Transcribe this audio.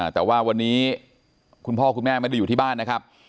แต่ว่าวันนี้คุณพ่อคุณแม่ไม่ได้อยู่ที่บ้านนะครับ